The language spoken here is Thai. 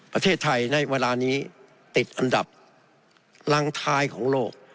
ประเทศไทยในเวลานี้ติดอันดับรังท้ายของโลก